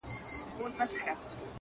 • په کلو یې یوه زرکه وه ساتلې ,